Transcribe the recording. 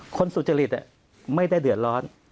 สุจริตไม่ได้เดือดร้อน